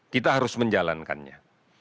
kita harus menjalankannya